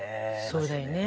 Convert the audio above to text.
そうだよね。